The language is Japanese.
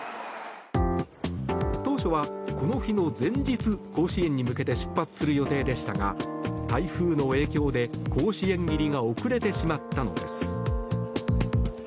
当初は、この日の前日甲子園に向けて出発する予定でしたが台風の影響で、甲子園入りが遅れてしまったのです。